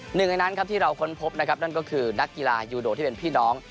หนึ่งในนั้นครับที่เราค้นพบนะครับนั่นก็คือนักกีฬายูโดที่เป็นพี่น้อง